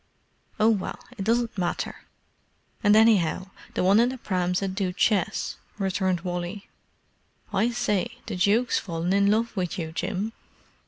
"Oh, well, it doesn't matter—and anyhow, the one in the pram's a duchess," returned Wally. "I say, the duke's fallen in love with you, Jim."